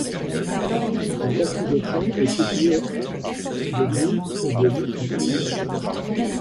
La Bâtie-des-Fonts est située à de Die et de Luc-en-Diois.